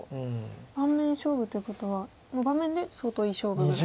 盤面勝負ということはもう盤面で相当いい勝負ぐらい。